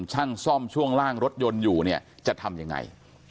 ช่างซ่อมช่วงล่างรถยนต์อยู่เนี่ยจะทำยังไง